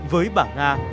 với bà nga